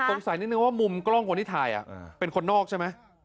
สงสัยนิดนึงว่ามุมกล้องคนที่ถ่ายเป็นคนนอกใช่ไหม